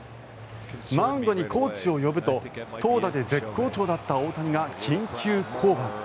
マウンドにコーチを呼ぶと投打で絶好調だった大谷が緊急降板。